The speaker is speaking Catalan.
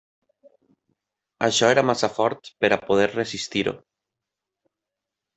Això era massa fort per a poder resistir-ho.